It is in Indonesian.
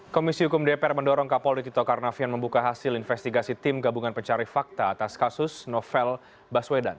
komisi hukum dpr mendorong kapolri tito karnavian membuka hasil investigasi tim gabungan pencari fakta atas kasus novel baswedan